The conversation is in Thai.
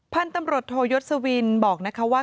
พันธุ์ตำรวจโทยศวินบอกนะคะว่า